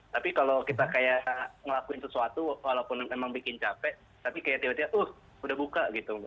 tapi kalau kita kayak ngelakuin sesuatu walaupun memang bikin capek tapi kayak tiba tiba tuh udah buka gitu